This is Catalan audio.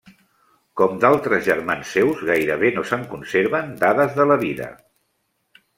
Com d'altres germans seus, gairebé no se'n conserven dades de la vida.